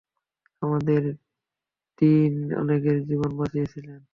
আমাদের ডিন অনেকের জীবন বাঁচিয়েছিলেন।